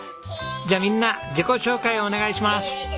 じゃあみんな自己紹介をお願いします。